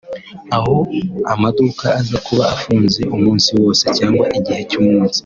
aho amaduka aza kuba afunze umusi wose cyangwa igice cy’umunsi